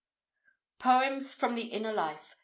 S FROM THE INNER LIFE.